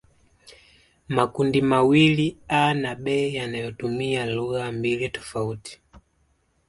makundimawili A na B yanayotumia lugha mbili tofauti